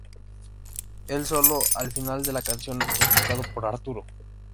El solo al final de la canción es tocado por Arturo.